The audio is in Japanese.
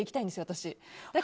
私。